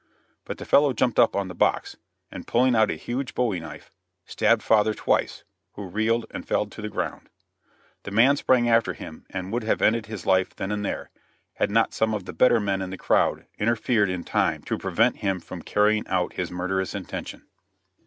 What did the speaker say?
But the fellow jumped up on the box, and pulling out a huge bowie knife, stabbed father twice, who reeled and fell to the ground. The man sprang after him, and would have ended his life then and there, had not some of the better men in the crowd interfered in time to prevent him from carrying out his murderous intention.